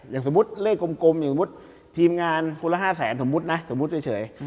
อย่างสมมุติเลขกลมอย่างสมมุติทีมงานคนละ๕แสนสมมุตินะสมมุติเฉย